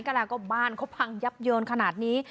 ก็แล้วก็บ้านเขาพังยับเยินขนาดนี้